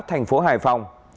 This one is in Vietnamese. thành phố hải phòng